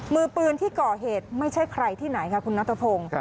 มือปืนที่ก่อเหตุไม่ใช่ใครที่ไหนค่ะคุณนัทพงศ์